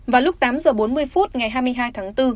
vào lúc tám h bốn mươi phút ngày hai mươi hai tháng bốn